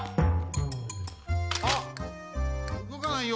あっうごかないよ